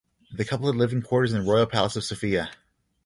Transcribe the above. The couple had living quarters in the Royal Palace of Sofia.